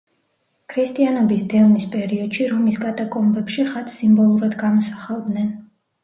ქრისტიანობის დევნის პერიოდში რომის კატაკომბებში ხატს სიმბოლურად გამოსახავდნენ.